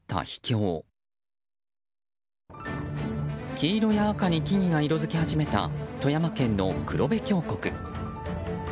黄色や赤に木々が色づき始めた富山県の黒部峡谷。